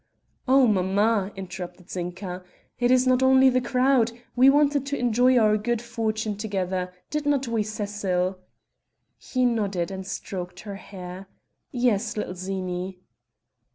"Oh, mamma!" interrupted Zinka, "it is not only the crowd we wanted to enjoy our good fortune together; did not we, Cecil?" He nodded and stroked her hair. "Yes, little Zini."